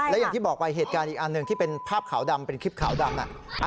และอย่างที่บอกไปเหตุการณ์อีกอันหนึ่งที่เป็นภาพขาวดำเป็นคลิปขาวดำ